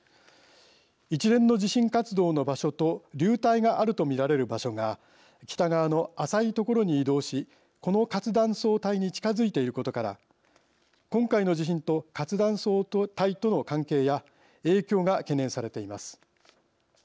一連の地震活動の場所と流体があると見られる場所が北側の浅い所に移動しこの活断層帯に近づいていることから今回の地震と活断層帯との関係や影響が懸念されています。